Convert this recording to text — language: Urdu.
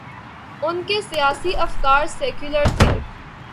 ان کے سیاسی افکار سیکولر تھے۔